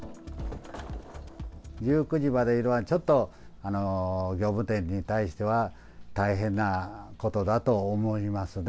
１９時までいうのは、ちょっと業務店に対しては、大変なことだと思いますね。